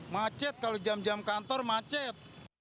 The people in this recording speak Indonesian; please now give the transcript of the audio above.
macet kalau jam jam kantor macet